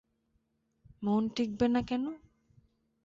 মন টিকবে না কেন?